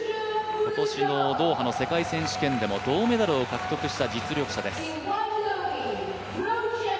今年のドーハの世界選手権でも銅メダルを獲得した実力者です。